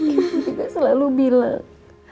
ibu juga selalu bilang